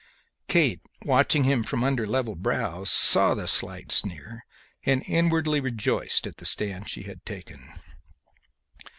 Kate, watching him from under level brows, saw the slight sneer and inwardly rejoiced at the stand she had taken.